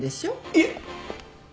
いえ！